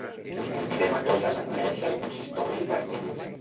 us convidem a totes a conèixer el consistori per dins